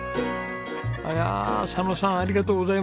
いやあ佐野さんありがとうございます。